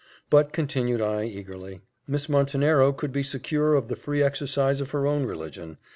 "But," continued I, eagerly, "Miss Montenero could be secure of the free exercise of her own religion.